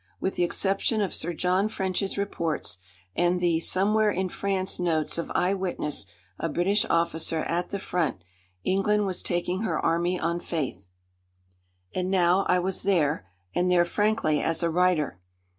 With the exception of Sir John French's reports and the "Somewhere in France" notes of "Eyewitness," a British officer at the front, England was taking her army on faith. And now I was there, and there frankly as a writer.